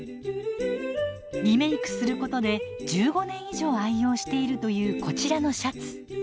リメークすることで１５年以上愛用しているというこちらのシャツ。